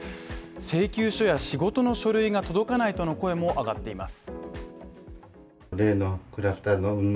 請求書や仕事の書類が届かないとの声も上がっています